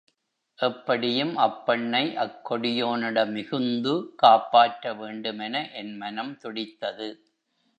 எப்படியும் அப்பெண்ணை அக்கொடியோனிடமிகுந்து காப்பாற்ற வேண்டுமென என் மனம் துடித்தது.